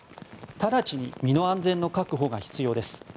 直ちに身の安全の確保が必要です。